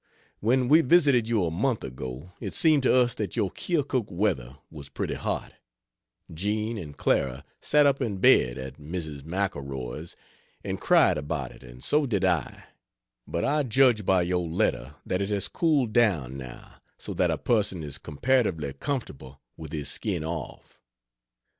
When we visited you a month ago, it seemed to us that your Keokuk weather was pretty hot; Jean and Clara sat up in bed at Mrs. McElroy's and cried about it, and so did I; but I judge by your letter that it has cooled down, now, so that a person is comparatively comfortable, with his skin off.